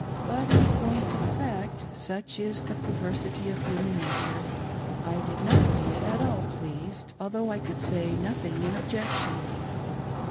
* But, in point of fact, such is the perversity of human nature, I did not feel at all pleased, although I could say nothing ifl objection.